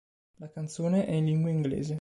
La canzone è in lingua inglese.